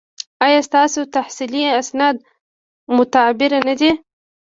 ایا ستاسو تحصیلي اسناد معتبر نه دي؟